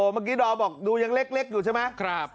เมื่อกี้ดอร์บอกดูยังเล็กเล็กอยู่ใช่ไหมครับ